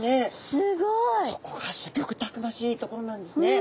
すごい！そこがすギョくたくましいところなんですね。